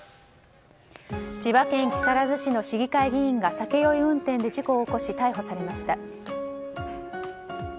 千葉県木更津市の市議会議員が酒酔い運転で事故を起こし逮捕されました。